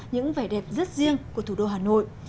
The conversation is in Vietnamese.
những vẻ đẹp rất riêng của thủ đô hà nội